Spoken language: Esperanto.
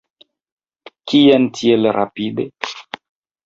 Kien tiel rapide?